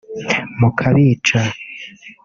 mukabica